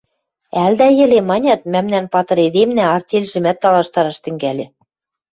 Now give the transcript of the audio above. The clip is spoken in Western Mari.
– Ӓлдӓ йӹле... – манят, мӓмнӓн патыр эдемнӓ артельжӹмӓт талаштараш тӹнгӓльӹ.